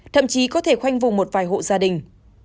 thậm chí có thể khoanh vùng một vài hộ gia đình